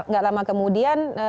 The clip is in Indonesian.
gak lama kemudian